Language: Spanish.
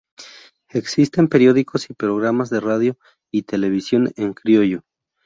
Existen periódicos y programas de radio y televisión en criollo.